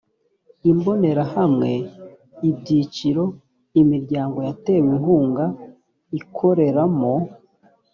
imbonerahamwe ibyiciro imiryango yatewe inkunga ikoreramo